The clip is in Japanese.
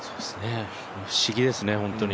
不思議ですね、ホントに。